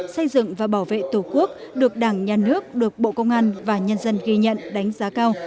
xây dựng và bảo vệ tổ quốc được đảng nhà nước được bộ công an và nhân dân ghi nhận đánh giá cao